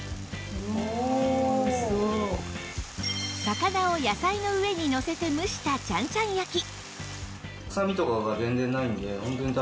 魚を野菜の上にのせて蒸したちゃんちゃん焼き